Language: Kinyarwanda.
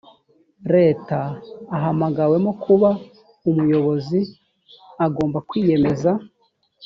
leta ahamagawemo kuba umuyobozi agomba kwiyemeza